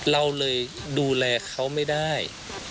เราเลยดูแลเขาไม่ได้